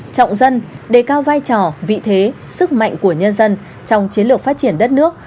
trọng dân đề cao vai trò vị thế sức mạnh của nhân dân trong chiến lược phát triển đất nước